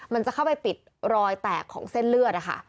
มันจะเข้าไปปิดรอยแตกของเส้นเลือดนะคะ